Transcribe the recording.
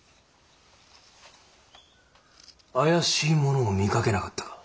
怪しい者を見かけなかったか？